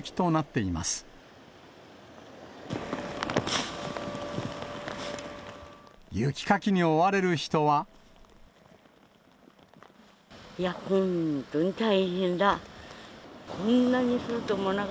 いや、本当に大変だ。